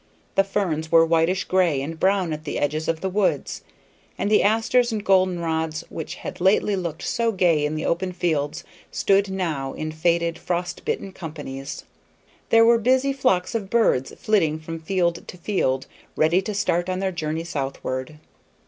The ferns were whitish gray and brown at the edges of the woods, and the asters and golden rods which had lately looked so gay in the open fields stood now in faded, frost bitten companies. There were busy flocks of birds flitting from field to field, ready to start on their journey southward.